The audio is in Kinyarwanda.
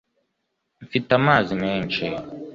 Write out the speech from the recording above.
mfite amazi menshi